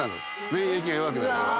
免疫が弱くなるから。